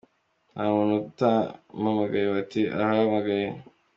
Nta muntu umpamagave ?” Bati “Arahamagaye.